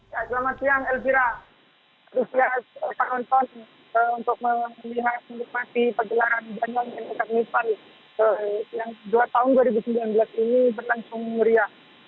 selamat siang elvira antusiasme para penonton untuk melihat dan menikmati pergelaran banyuwangi ethno carnival yang dua tahun dua ribu sembilan belas ini berlangsung meriah